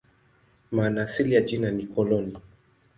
Maana asili ya jina ni "koloni".